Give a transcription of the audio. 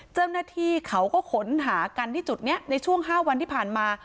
เจ้าหน้าที่เขาก็ขนหากันที่จุดนี้ในช่วง๕วันที่ผ่านมา